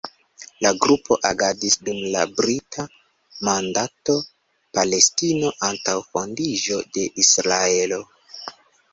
La grupo agadis dum la Brita mandato Palestino, antaŭ fondiĝo de Israelo.